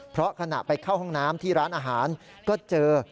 เพราะขณะไปเข้าห้องน้ำที่ร้านอาหารก็เจอ